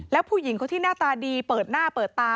แล้วผู้หญิงคนที่หน้าตาดีเปิดหน้าเปิดตา